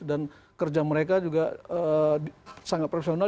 dan kerja mereka juga sangat profesional